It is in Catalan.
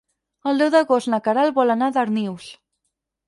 El deu d'agost na Queralt vol anar a Darnius.